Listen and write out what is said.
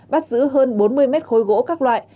bắt giữ hơn bốn mươi mét khối gỗ các loại